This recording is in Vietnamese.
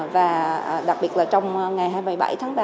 và đặc biệt là trong ngày hai mươi bảy tháng ba